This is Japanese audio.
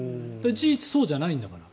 事実、そうじゃないんだから。